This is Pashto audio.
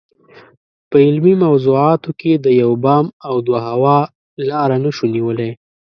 په علمي موضوعاتو کې د یو بام او دوه هوا لاره نشو نیولای.